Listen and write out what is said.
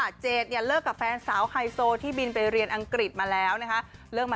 เดิมเจตเลิกกับแฟนสาวไฮโซล์ที่บินไปเรียนอังกฤษมาแล้วนะคะ